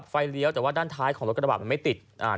เลี้ยวแต่ว่าด้านท้ายของรถกระบาดมันไม่ติดอ่า